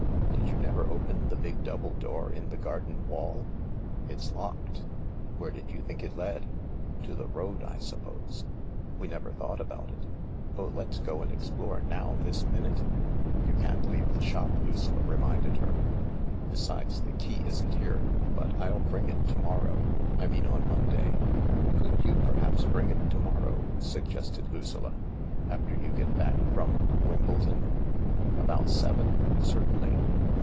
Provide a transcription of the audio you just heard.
Did you never open the big double door in the garden wall ?"" It's locked." " Where did you think it led ?" "To the road, I suppose. We never thought about it. Oh, let's go and explore now this minute." " You can't leave the shop," Lucilla reminded her. " Besides, the key isn't here ; but I'll bring it to morrow —I mean on Monday." "Could you perhaps bring it to morrow," suggested Lucilla, "after you get back from— Wimbledon ?" "About seven? Certainly."